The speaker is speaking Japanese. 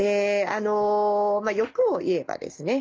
欲を言えばですね